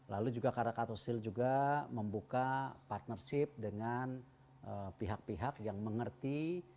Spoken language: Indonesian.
lalu juga karena katosil juga membuka partnership dengan pihak pihak yang mengerti